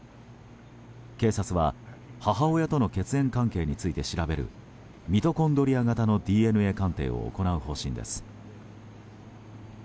警察は母親との血縁関係について調べるミトコンドリア型のＤＮＡ鑑定を行う方針です。